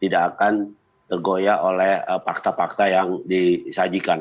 tidak akan tergoyak oleh fakta fakta yang disajikan